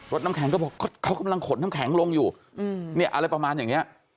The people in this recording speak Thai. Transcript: น้ำแข็งก็บอกเขากำลังขนน้ำแข็งลงอยู่เนี่ยอะไรประมาณอย่างนี้